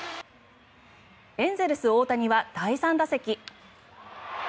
エンゼルス、大谷は第３打席。